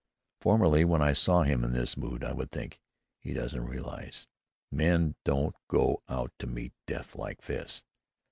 Formerly, when I saw him in this mood, I would think, "He doesn't realize. Men don't go out to meet death like this."